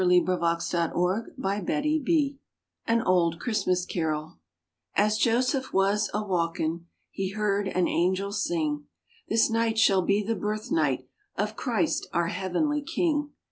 Author Unknown 1225] RAINBOW GOLD AN OLD CHRISTMAS CAROL As Joseph was a waukin', He heard an angel sing, "This night shall be the birthnight Of Christ our heavenly King.